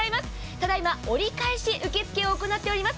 ただいま折り返し受け付けを行っております。